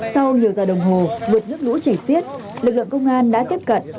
sau nhiều giờ đồng hồ vượt nước lũ chảy xiết lực lượng công an đã tiếp cận